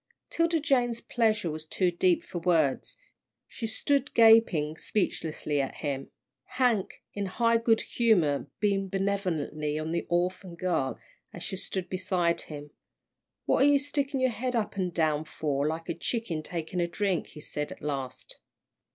'Tilda Jane's pleasure was too deep for words. She stood gaping speechlessly at him. Hank, in high good humour, beamed benevolently on the orphan girl as she stood beside him. "What are you sticking your head up an down for like a chicken taking a drink?" he said at last.